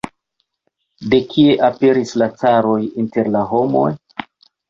De kie aperis la caroj inter la homoj?